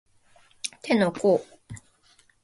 手の甲